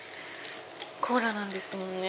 コーラなんですもんね。